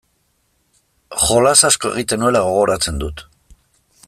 Jolas asko egiten nuela gogoratzen dut.